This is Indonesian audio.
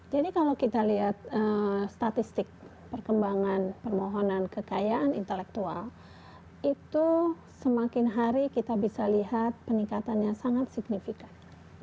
jadi kalau kita lihat statistik perkembangan permohonan kekayaan intelektual itu semakin hari kita bisa lihat peningkatannya sangat signifikan